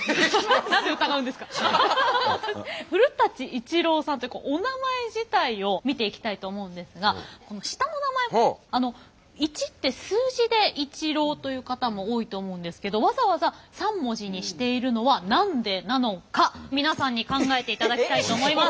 古伊知郎さんっておなまえ自体を見ていきたいと思うんですがこの下の名前「いち」って数字で「一郎」という方も多いと思うんですけどわざわざ３文字にしているのは何でなのか皆さんに考えていただきたいと思います。